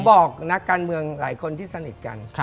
บอกนักการเมืองหลายคนที่สนิทกัน